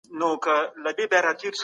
زما د تورو پستو غوښو د خوړلو